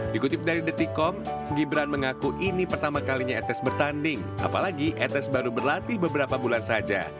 dikutip dari detikom gibran mengaku ini pertama kalinya etes bertanding apalagi etes baru berlatih beberapa bulan saja